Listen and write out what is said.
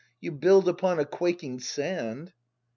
] You build upon a quaking sand!